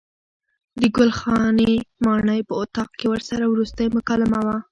د ګل خانې ماڼۍ په اطاق کې ورسره وروستۍ مکالمه وه.